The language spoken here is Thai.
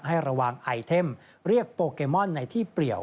ให้ระวังไอเทมเรียกโปเกมอนในที่เปลี่ยว